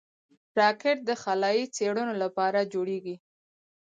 راکټ د خلایي څېړنو لپاره جوړېږي